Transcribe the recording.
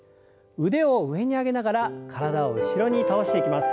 腕を上に上げながら体を後ろに倒していきます。